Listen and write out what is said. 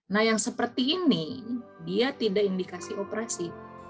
nah yang seperti ini dia tidak indikasi operasi